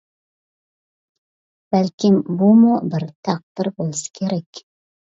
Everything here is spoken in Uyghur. بەلكىم بۇمۇ بىر تەقدىر بولسا كېرەك.